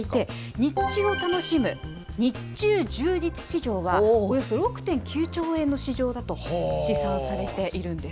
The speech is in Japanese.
日中を楽しむ、日中充実市場はおよそ６．９兆円の市場だと試算されているんです。